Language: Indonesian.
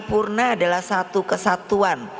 purna adalah satu kesatuan